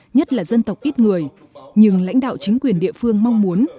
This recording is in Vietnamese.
nhất là dân tộc ít người nhưng lãnh đạo chính quyền địa phương mong muốn